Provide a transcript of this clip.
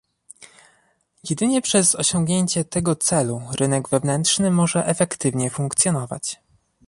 Jedynie przez osiągnięcie tego celu rynek wewnętrzny może efektywnie funkcjonować